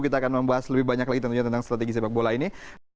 kita akan membahas lebih banyak lagi tentunya tentang strategi sepak bola ini